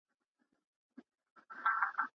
کیڼ لاسي کسان ډېر کله د دماغ د ښي اړخ څخه ګټه اخلي.